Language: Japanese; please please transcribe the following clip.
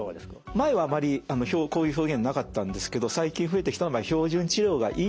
前はあまりこういう表現なかったんですけど最近増えてきたまあ標準治療がいいと。